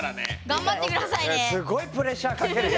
頑張ってくださいね。